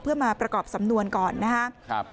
เพื่อมาประกอบสำนวนก่อนนะครับ